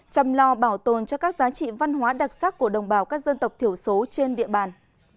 chăm lo bảo tồn cho các giá trị văn hóa đặc sắc của đồng bào các dân tộc thiểu số trên địa bàn